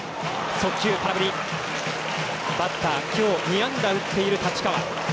バッター、今日２安打、打っている太刀川。